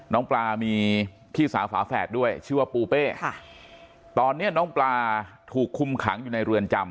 น้องปลามีพี่สาวฝาแฝดด้วยชื่อว่าปูเป้ค่ะตอนนี้น้องปลาถูกคุมขังอยู่ในเรือนจำ